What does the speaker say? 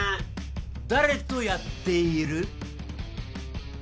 誰とやっている？